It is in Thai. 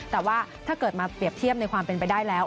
แต่ว่าถ้าเกิดมาเปรียบเทียบในความเป็นไปได้แล้ว